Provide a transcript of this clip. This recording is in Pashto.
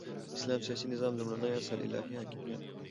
د اسلام سیاسی نظام لومړنی اصل الهی حاکمیت دی،